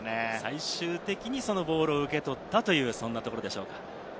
最終的にボールを受け取ったという、そんなところでしょうか。